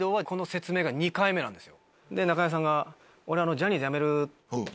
中居さんが。